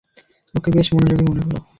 ওকে বেশ মনোযোগী মনে হলো।